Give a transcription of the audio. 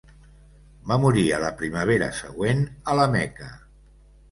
Va morir a la primavera següent a la Meca.